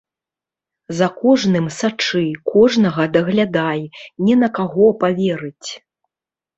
За кожным сачы, кожнага даглядай, не на каго паверыць!